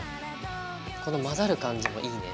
この混ざる感じもいいね。